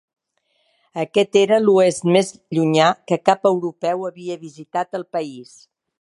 Aquest era l'oest més llunyà que cap europeu havia visitat al país.